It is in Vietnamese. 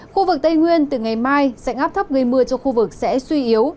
khu vực tây nguyên từ ngày mai sẽ ngắp thấp người mưa cho khu vực sẽ suy yếu